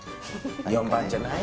４番じゃない？